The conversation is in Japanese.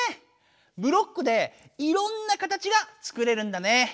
ブロックでいろんな形がつくれるんだね。